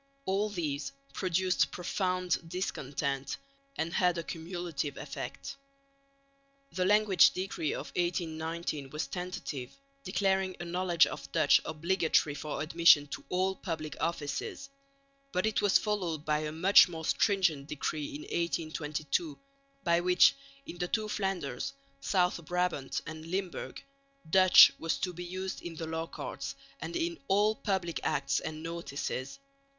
All these produced profound discontent and had a cumulative effect. The language decree of 1819 was tentative, declaring a knowledge of Dutch obligatory for admission to all public offices, but it was followed by a much more stringent decree in 1822 by which, in the two Flanders, South Brabant and Limburg, Dutch was to be used in the law courts and in all public acts and notices.